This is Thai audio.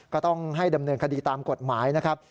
ก็ต้องให้ดำเนินคดีตามกฎหมายนะครับ